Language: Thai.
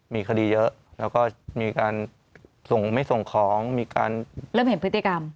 มีคดีเยอะแล้วก็มีการส่งไม่ส่งของมีการเริ่มเห็นพฤติกรรม